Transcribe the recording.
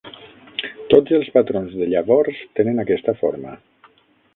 Tots els patrons de Llavors tenen aquesta forma.